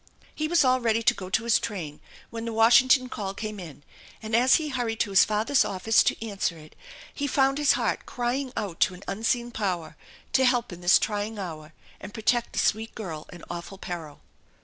He was all ready to go to his train when the Washington call came in, and as he hurried to his father's office to answer it he found his heart crying out to an Unseen Power to help in this trying hour and protect the sweet girl in awful peril.